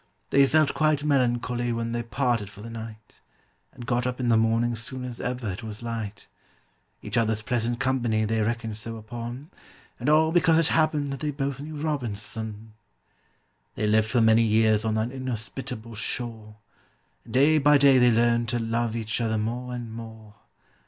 They felt quite melancholy when they parted for the night, And got up in the morning soon as ever it was light; Each other's pleasant company they reckoned so upon, And all because it happened that they both knew ROBINSON! They lived for many years on that inhospitable shore, And day by day they learned to love each other more and more.